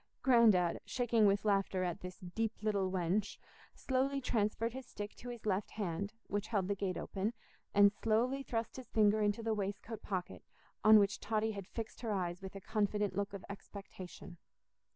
Grandad, shaking with laughter at this "deep little wench," slowly transferred his stick to his left hand, which held the gate open, and slowly thrust his finger into the waistcoat pocket on which Totty had fixed her eyes with a confident look of expectation.